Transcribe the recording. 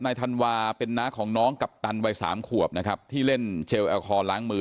ธันวาเป็นน้าของน้องกัปตันวัยสามขวบนะครับที่เล่นเจลแอลคอลล้างมือ